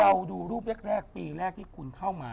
ดูรูปแรกปีแรกที่คุณเข้ามา